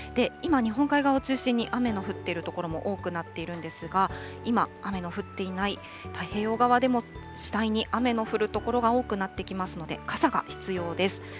今、日本海側を中心に雨の降っている所も多くなっているんですが、今、雨の降っていない太平洋側でも次第に雨の降る所が多くなってきますので、傘が必要です。